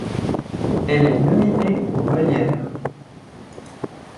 Elle est nominée au Molières.